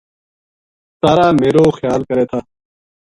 سارا میرو خیال کرے تھا